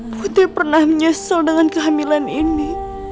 putri pernah menyesal dengan kehamilan ini